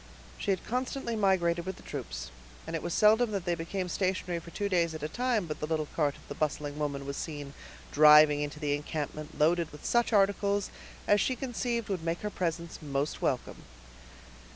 She constantly migrated with the troops; and it was seldom that they became stationary for two days at a time but the little cart of the bustling woman was seen driving into the encampment loaded with such articles as she conceived would make her presence most welcome.